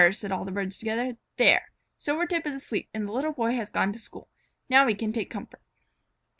said all the birds together. "There! Silvertip is asleep and the Little Boy has gone to school. Now we can take comfort."